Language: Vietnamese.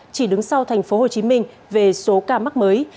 chỉ đứng sau thành phố hồ chí minh về số ca mắc mới